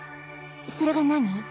それが何？